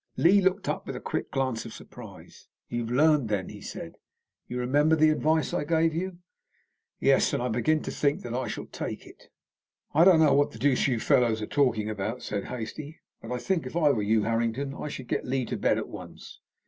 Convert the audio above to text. Lee looked up with a quick glance of surprise. "You've learned, then!" he said. "You remember the advice I gave you?" "Yes, and I begin to think that I shall take it." "I don't know what the deuce you fellows are talking about," said Hastie, "but I think, if I were you, Harrington, I should get Lee to bed at once.